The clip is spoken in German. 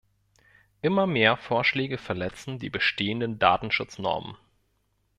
Immer mehr Vorschläge verletzen die bestehenden Datenschutznormen.